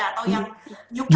atau yang new commerce gitu